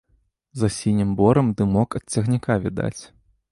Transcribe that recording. За сінім борам дымок ад цягніка відаць.